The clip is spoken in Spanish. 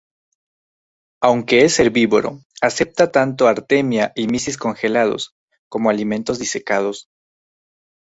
Aunque es herbívoro, acepta tanto artemia y mysis congelados, como alimentos disecados.